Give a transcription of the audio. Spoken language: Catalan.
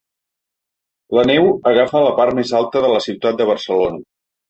La neu agafa a la part més alta de la ciutat de Barcelona.